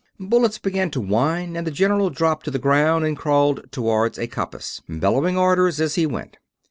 Bullets began to whine and the general dropped to the ground and crawled toward a coppice, bellowing orders as he went.